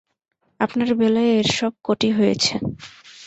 আপনার বেলায় এর সব কটি হয়েছে।